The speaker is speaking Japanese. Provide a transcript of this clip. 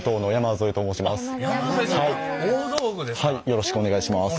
よろしくお願いします。